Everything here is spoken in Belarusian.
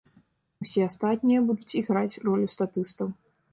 Усе астатнія будуць іграць ролю статыстаў.